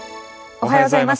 おはようございます。